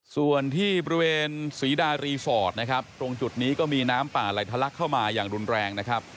ส่วนที่บริเวณศรีดารีสอร์ทนะครับตรงจุดนี้ก็มีน้ำป่าไหลทะลักเข้ามาอย่างรุนแรงนะครับ